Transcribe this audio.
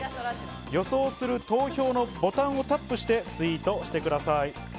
予想する投票のボタンをタップしてツイートしてください。